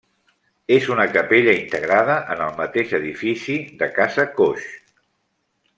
És una capella integrada en el mateix edifici de Casa Coix.